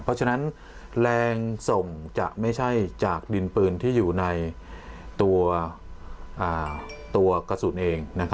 เพราะฉะนั้นแรงส่งจะไม่ใช่จากดินปืนที่อยู่ในตัวกระสุนเอง